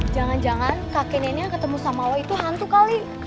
jangan jangan kakek neneknya ketemu sama lo itu hantu kali